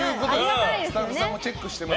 スタッフさんもチェックしてます。